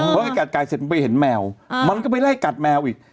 พอให้กัดไก่เสร็จไปเห็นแมวมันก็ไปไล่กัดแมวอีก